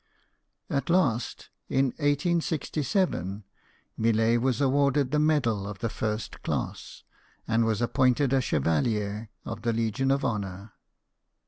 At last, in 1867, Millet was awarded the medal of the first class, and was appointed a Chevalier of the Legion of Honour.